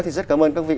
thì rất cảm ơn các vị